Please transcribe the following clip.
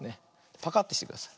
パカッてしてください。